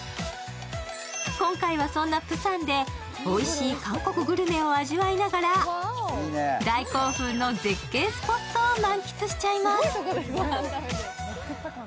今回はそんなプサンでおいしい韓国グルメを味わいながら大興奮の絶景スポットを満喫しちゃいます。